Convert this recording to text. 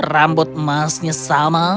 rambut emasnya sama